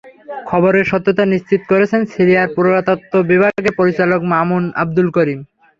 খবরের সত্যতা নিশ্চিত করেছেন সিরিয়ার পুরাতত্ত্ব বিভাগের পরিচালক মামুন আবদুল করিম।